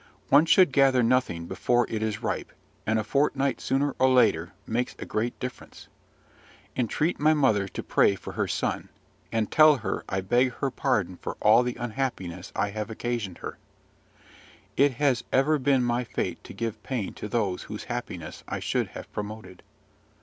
One should gather nothing before it is ripe, and a fortnight sooner or later makes a great difference. Entreat my mother to pray for her son, and tell her I beg her pardon for all the unhappiness I have occasioned her. It has ever been my fate to give pain to those whose happiness I should have promoted.